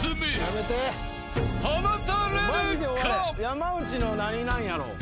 山内の何なんやろう？